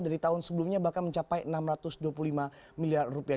dari tahun sebelumnya bahkan mencapai enam ratus dua puluh lima miliar rupiah